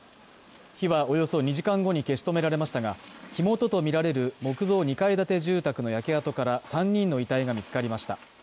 火はおよそ２時間後に消し止められましたが、火元とみられる木造２階建て住宅の焼け跡から３人の遺体が見つかりました。